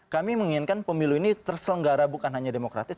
kami menginginkan pemilu ini terselenggara bukan hanya demokratis